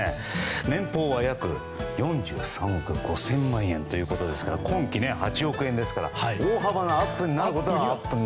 年俸は約４３億５０００万円ということですから今季８億円ですから大幅なアップになると。